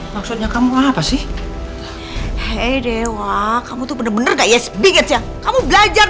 maksudnya kamu apa sih hei dewa kamu tuh bener bener gak ya sedikit ya kamu belajar